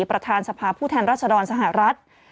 ประธานสภาพผู้แทนรัศดรสหรัฐ